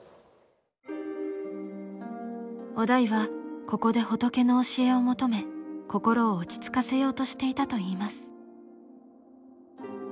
於大はここで仏の教えを求め心を落ち着かせようとしていたといいます。